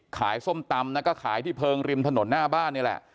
ส้มตำนะก็ขายที่เพลิงริมถนนหน้าบ้านนี่แหละ